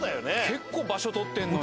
結構場所取ってんのに。